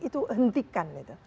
itu hentikan gitu